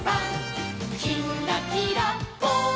「きんらきらぽん」